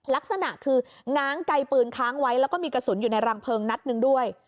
ลักษณะคือง้างไกลปืนค้างไว้แล้วก็มีกระสุนอยู่ในรังเพลิงนัดหนึ่งด้วย